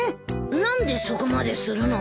何でそこまでするの？